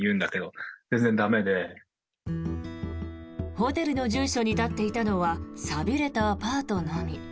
ホテルの住所に立っていたのは寂れたアパートのみ。